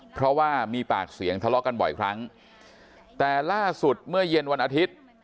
เพราะว่ามีปากเสียงทะเลาะกันบ่อยครั้งแต่ล่าสุดเมื่อเย็นวันอาทิตย์